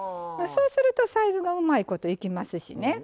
そうするとサイズがうまいこといきますしね。